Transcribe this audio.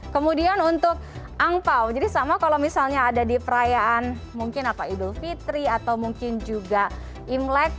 kemudian untuk angpao jadi sama kalau misalnya ada di perayaan mungkin apa idul fitri atau mungkin juga imlek